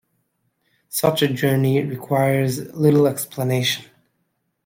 Such a journey requires little explanation.